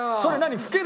吹ける。